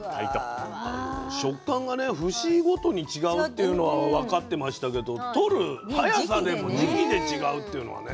食感がね節ごとに違うっていうのは分かってましたけどとる早さでも時期で違うっていうのはね